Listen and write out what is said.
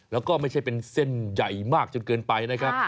แล้วก็ไม่ใช่เป็นเส้นใหญ่มากจนเกินไปนะครับ